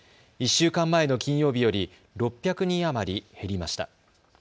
１週間前の金曜日より６００人余り減りました。